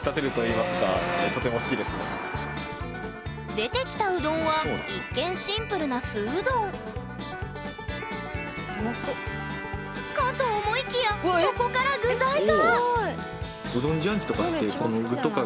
出てきたうどんは一見シンプルな素うどんかと思いきや底から具材が！